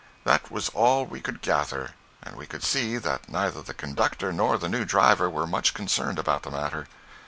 That was all we could gather, and we could see that neither the conductor nor the new driver were much concerned about the matter.